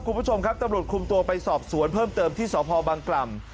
คุณผู้ชมครับตำรวจคุมตัวไปสอบสวนเพิ่มเติมที่สพบังกล่ำ